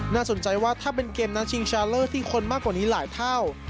น่าสนใจว่าถ้าเป็นเกมนัดชิงชาเลอร์ที่คนมากกว่านี้หลายเท่า